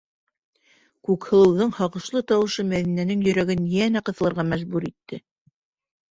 - Күкһылыуҙың һағышлы тауышы Мәҙинәнең йөрәген йәнә ҡыҫылырға мәжбүр итте.